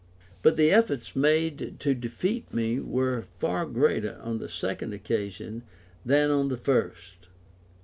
But the efforts made to defeat me were far greater on the second occasion than on the first.